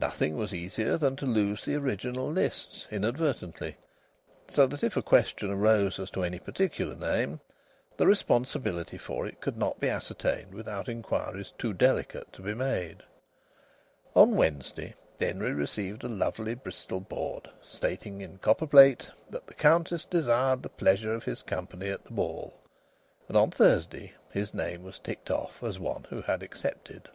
Nothing was easier than to lose the original lists, inadvertently, so that if a question arose as to any particular name, the responsibility for it could not be ascertained without inquiries too delicate to be made. On Wednesday Denry received a lovely Bristol board, stating in copper plate that the Countess desired the pleasure of his company at the ball; and on Thursday his name was ticked off as one who had accepted.